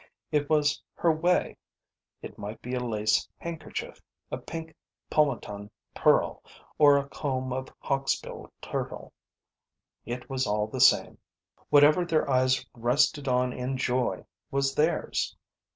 It was her way. It might be a lace handkerchief, a pink Paumotan pearl, or a comb of hawksbill turtle. It was all the same. Whatever their eyes rested on in joy was theirs.